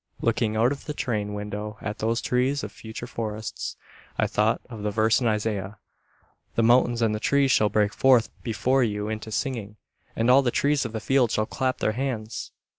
Looking out of the train window at those trees of future forests, I thought of the verse in Isaiah, "The mountains and the trees shall break forth before you into singing, and all the trees of the field shall clap their hands."